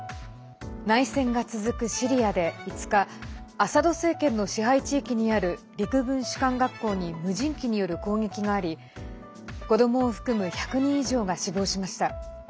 内戦が続くシリアで５日アサド政権の支配地域にある陸軍士官学校に無人機による攻撃があり子どもを含む１００人以上が死亡しました。